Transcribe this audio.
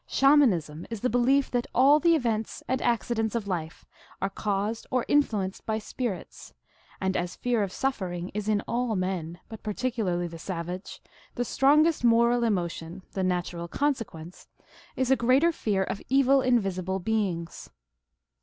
Shamanism is the belief that all the events and accidents of life are caused or influ enced by spirits, and as fear of suffering is in all men, but particularly the savage, the strongest moral emotion, the natural consequence is a greater fear of evil invisible beings.